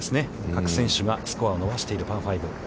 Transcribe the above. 各選手がスコアを伸ばしているパー５。